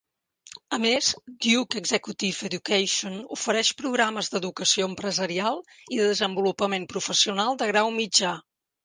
A més, Duke Executive Education ofereix programes d'educació empresarial i de desenvolupament professional de grau mitjà.